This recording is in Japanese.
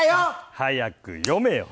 早く読めよ！